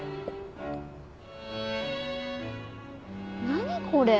何これ？